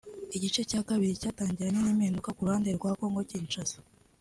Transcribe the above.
Igice cya kabiri cyatangiranye n’impinduka ku ruhande rwa Congo Kinshasa